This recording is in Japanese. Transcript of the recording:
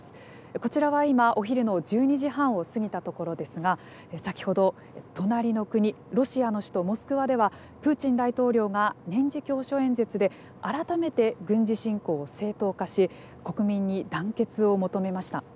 こちらは今、お昼の１２時半を過ぎたところですが先ほど隣の国ロシアの首都モスクワではプーチン大統領が年次教書演説で改めて軍事侵攻を正当化し国民に団結を求めました。